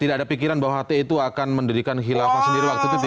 tidak ada pikiran bahwa itu akan mendidikan khilafah sendiri tidak ya akan mengganti